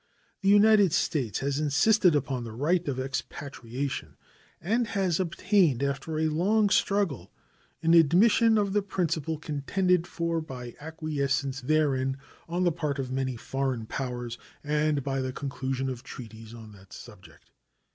The United States has insisted upon the right of expatriation, and has obtained, after a long struggle, an admission of the principle contended for by acquiescence therein on the part of many foreign powers and by the conclusion of treaties on that subject.